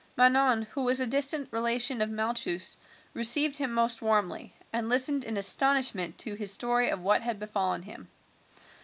Manon, who was a distant relation of Malchus, received him most warmly, and listened in astonishment to his story of what had befallen him.